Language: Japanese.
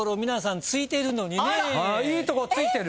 いいとこついてる？